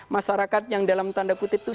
masyarakat yang dalam tanda kutip itu